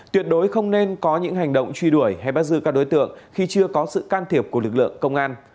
tuyệt đối không nên có những hành động truy đuổi hay bắt giữ các đối tượng khi chưa có sự can thiệp của lực lượng công an